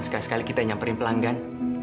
sekali sekali kita nyamperin pelanggan